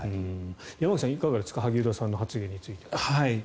山口さん、いかがですか萩生田さんの発言については。